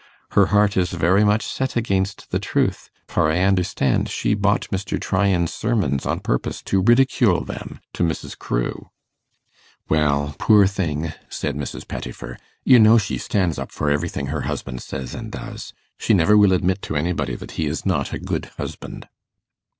'Her heart is very much set against the truth, for I understand she bought Mr. Tryan's sermons on purpose to ridicule them to Mrs. Crewe.' 'Well, poor thing,' said Mrs. Pettifer, 'you know she stands up for everything her husband says and does. She never will admit to anybody that he is not a good husband.